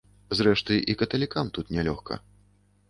Зрэшты, і каталікам тут не лёгка.